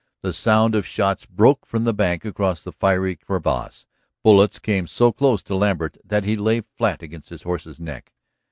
The sound of shots broke from the bank across the fiery crevasse; bullets came so close to Lambert that he lay flat against his horse's neck.